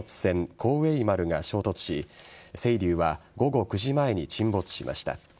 「幸栄丸」が衝突し「せいりゅう」は午後９時前に沈没しました。